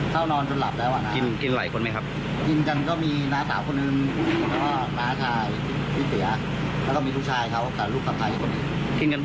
ก็นั่งดูทีวีอยู่ครั้งหนึ่งอ่ะนั่นแหละครับแล้วก็เข้าไปนอน